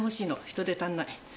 人手足んない。